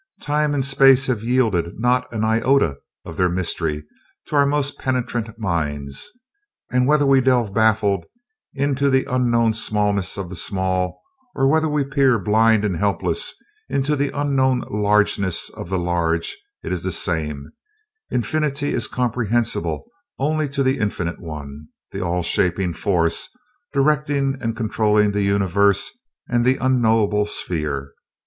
Time and space have yielded not an iota of their mystery to our most penetrant minds. And whether we delve baffled into the unknown smallness of the small, or whether we peer, blind and helpless, into the unknown largeness of the large, it is the same infinity is comprehensible only to the Infinite One: the all shaping Force directing and controlling the Universe and the unknowable Sphere.